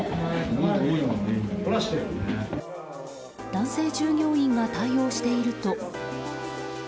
男性従業員が対応していると。